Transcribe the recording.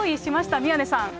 宮根さん。